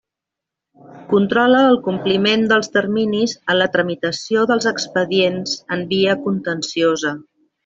Controla el compliment dels terminis en la tramitació dels expedients en via contenciosa.